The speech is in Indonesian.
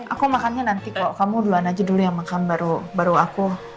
aku makannya nanti kok kamu duluan aja dulu yang makan baru aku